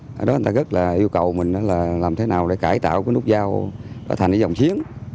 đó người ta rất là yêu cầu mình là làm thế nào để cải tạo cái nút giao nó thành cái dòng chiến